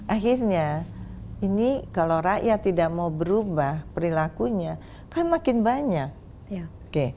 akhirnya ini kalau rakyat tidak mau berubah perilakunya kan makin banyak